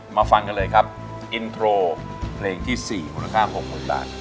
ฟังกันเลยครับอินโทรเพลงที่๔มูลค่า๖๐๐๐บาท